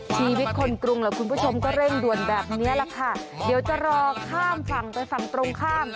ชีวิตคนกรุงล่ะคุณผู้ชมก็เร่งด่วนแบบนี้แหละค่ะเดี๋ยวจะรอข้ามฝั่งไปฝั่งตรงข้าม